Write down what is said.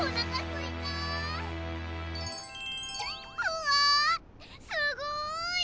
うわすごい！